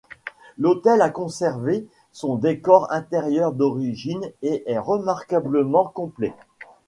L'hôtel a conservé son décor intérieur d'origine et est remarquablement complet.